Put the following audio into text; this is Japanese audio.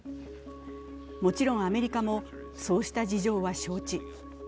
もちろんアメリカも、そうした事情は承知。